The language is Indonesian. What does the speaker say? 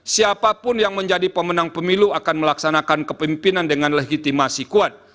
siapapun yang menjadi pemenang pemilu akan melaksanakan kepimpinan dengan legitimasi kuat